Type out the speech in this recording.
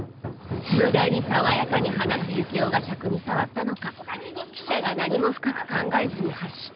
無駄に爽やかに話す幸男がしゃくに障ったのか記者が何も深く考えずに発した。